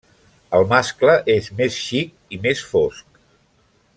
El mascle és més xic i més fosc.